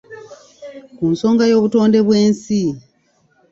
Ku nsonga y’obutonde bw’ensi.